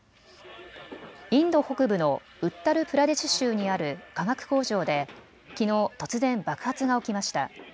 インド北部のウッタル・プラデシュ州にある化学工場できのう突然、爆発が起きました。